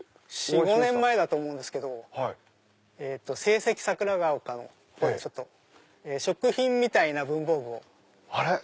４５年前だと思うんですけど聖蹟桜ヶ丘の方で食品みたいな文房具を。